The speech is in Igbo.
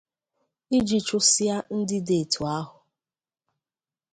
iji chụsịa ndị dị etu ahụ.